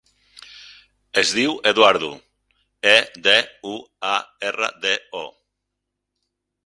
Es diu Eduardo: e, de, u, a, erra, de, o.